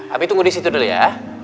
tapi tunggu di situ dulu ya